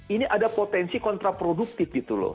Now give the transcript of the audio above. ini ada potensi kontraproduktif gitu loh